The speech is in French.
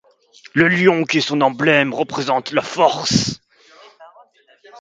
Le lion qui est son emblème représente la force.